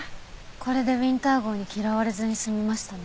これでウィンター号に嫌われずに済みましたね。